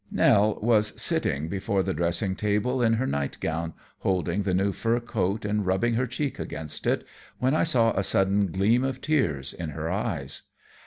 Nell was silting before the dressing table in her nightgown, holding the new fur coat and rubbing her cheek against it, when I saw a sudden gleam of tears in her eyes.